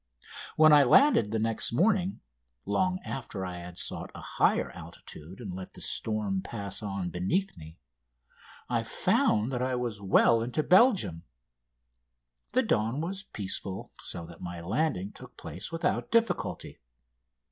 When I landed the next morning long after I had sought a higher altitude and let the storm pass on beneath me I found that I was well into Belgium. The dawn was peaceful, so that my landing took place without difficulty.